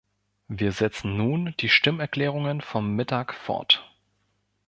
Wir setzen nun die Stimmerklärungen vom Mittag fort.